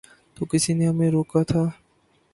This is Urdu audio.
تو کس نے ہمیں روکا تھا؟